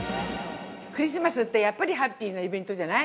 クリスマスって、やっぱりハッピーなイベントじゃない！？